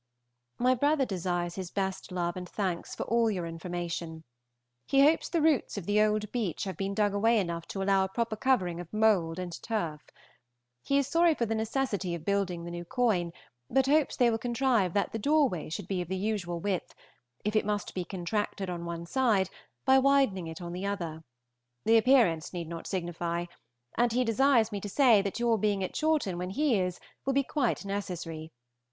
My brother desires his best love and thanks for all your information. He hopes the roots of the old beech have been dug away enough to allow a proper covering of mould and turf. He is sorry for the necessity of building the new coin, but hopes they will contrive that the doorway should be of the usual width, if it must be contracted on one side, by widening it on the other. The appearance need not signify. And he desires me to say that your being at Chawton when he is will be quite necessary.